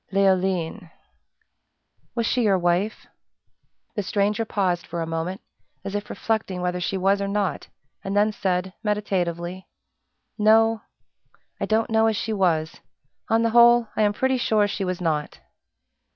"Leoline." "Was she your wife?" The stranger paused for a moment, as if reflecting whether she was or not, and then said, meditatively, "No I don't know as she was. On the whole, I am pretty sure she was not."